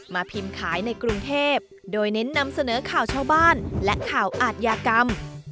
พิมพ์ขายในกรุงเทพโดยเน้นนำเสนอข่าวชาวบ้านและข่าวอาทยากรรม